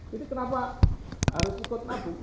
jadi kenapa harus ikut nabung